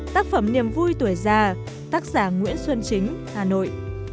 một mươi năm tác phẩm niềm vui tuổi già tác giả nguyễn xuân chính hà nội